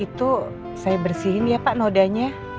itu saya bersihin ya pak nodanya